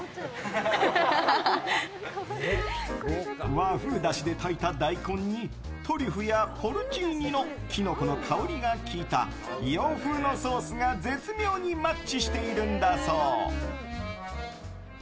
和風だしで炊いた大根にトリュフやポルチーニのキノコの香りが効いた洋風のソースが絶妙にマッチしているんだそう。